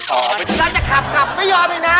แล้วจะขับไม่ยอมอีกนะ